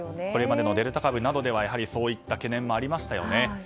これまでのデルタ株などではそういった懸念もありましたよね。